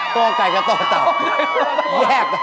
ตัวไก่กับตัวกระเต่า